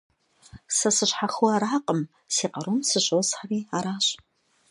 Сэ сыщхьэхыу аракъым, си къарум сыщосхьри аращ.